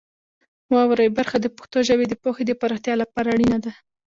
واورئ برخه د پښتو ژبې د پوهې د پراختیا لپاره اړینه ده.